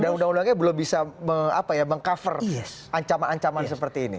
dan undang undangnya belum bisa meng cover ancaman ancaman seperti ini